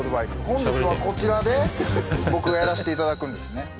本日はこちらで僕がやらしていただくんですね